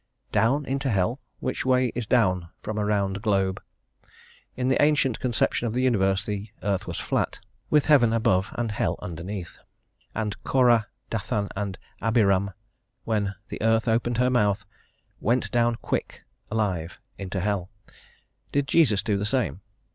Down into hell; which way is down from a round globe? In the ancient conception of the universe the earth was flat, with heaven above and hell underneath, and Korah, Dathan, and Abiram, when the earth opened her mouth, "went down quick (alive) into hell:" did Jesus do the same?